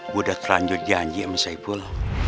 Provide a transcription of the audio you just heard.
gue udah terlanjut janji sama saipul